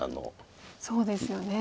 そうですよね。